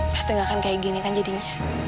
pasti gak akan kayak gini kan jadinya